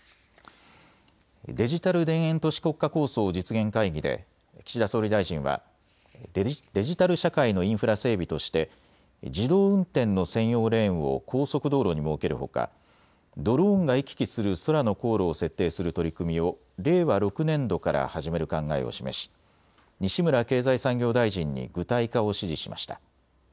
デジタル田園都市国家構想実現会議で岸田総理大臣はデジタル社会のインフラ整備として自動運転の専用レーンを高速道路に設けるほかドローンが行き来する空の航路を設定する取り組みを令和６年度から始める考えを示し西村経済産業大臣に具体化を指示しました。